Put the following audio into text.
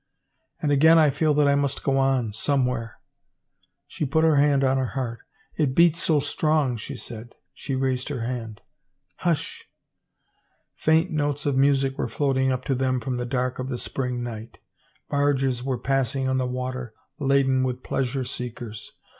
And again I feel that I must go on, somewhere." She put her hand on her heart. " It beats so strong," she said. She raised her hand. " Hush !" Faint notes of music were floating up to them from the dark of the spring night Barges were passing on the water, laden with pleasure seekers.